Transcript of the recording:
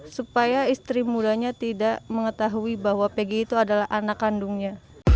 supaya istri mudanya tidak mengetahui bahwa pg itu adalah anak kandungnya